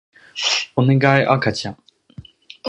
おねがい赤ちゃん